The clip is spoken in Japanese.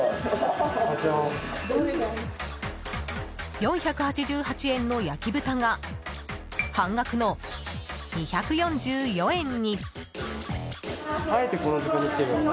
４８８円の焼き豚が半額の２４４円に。